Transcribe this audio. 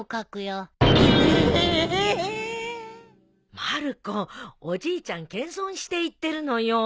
まる子おじいちゃん謙遜して言ってるのよ。